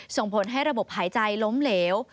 ส่งผลให้ระบบหายใจล้มเหลว